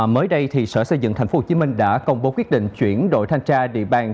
mới đây sở xây dựng tp hcm đã công bố quyết định chuyển đổi thanh tra địa bàn